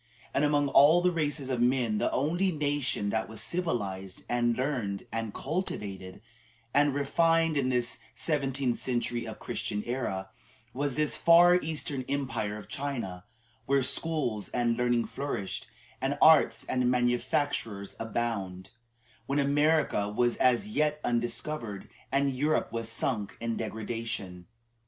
And among all the races of men the only nation that was civilized, and learned, and cultivated, and refined in this seventh century of the Christian era, was this far eastern Empire of China, where schools and learning flourished, and arts and manufactures abounded, when America was as yet undiscovered and Europe was sunk in degradation.